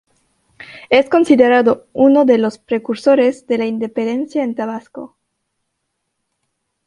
Es considerado uno de los precursores de la Independencia en Tabasco.